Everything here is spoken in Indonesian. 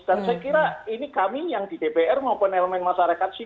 dan saya kira ini kami yang di dpr maupun elemen masyarakat sipil